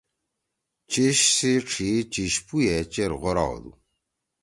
چیِش سی ڇھی چیِش پو ئے چیر غورا ہودُو۔